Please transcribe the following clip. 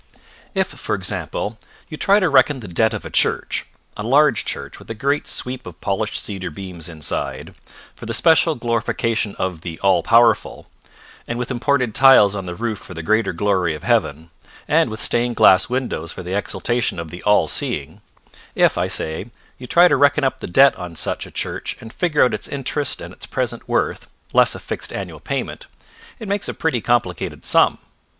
If, for example, you try to reckon the debt of a church a large church with a great sweep of polished cedar beams inside, for the special glorification of the All Powerful, and with imported tiles on the roof for the greater glory of Heaven and with stained glass windows for the exaltation of the All Seeing if, I say, you try to reckon up the debt on such a church and figure out its interest and its present worth, less a fixed annual payment, it makes a pretty complicated sum.